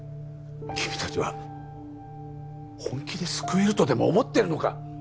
君達は本気で救えるとでも思ってるのか？